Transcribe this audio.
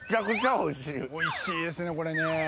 おいしいですこれね。